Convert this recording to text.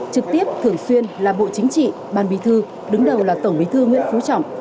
trực tiếp thường xuyên là bộ chính trị ban bí thư đứng đầu là tổng bí thư nguyễn phú trọng